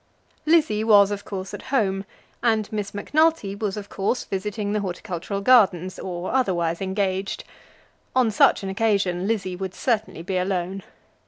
Lizzie was of course at home, and Miss Macnulty was of course visiting the Horticultural Gardens or otherwise engaged. On such an occasion Lizzie would certainly be alone.